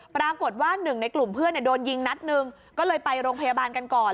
ปรากฏว่าหนึ่งในกลุ่มเพื่อนโดนยิงนัดหนึ่งก็เลยไปโรงพยาบาลกันก่อน